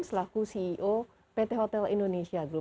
selaku ceo pt hotel indonesia group